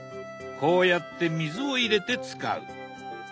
こうやって水を入れて使う。